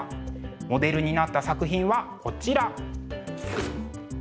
モデルになった作品はこちら。